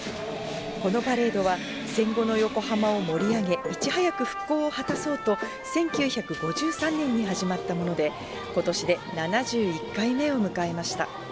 このパレードは戦後の横浜を盛り上げ、いち早く復興を果たそうと、１９５３年に始まったもので、ことしで７１回目を迎えました。